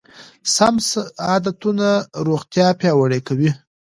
سم عادتونه روغتیا پیاوړې کوي.